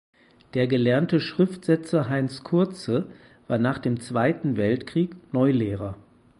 Der gelernte Schriftsetzer Heinz Kurze war nach dem Zweiten Weltkrieg Neulehrer.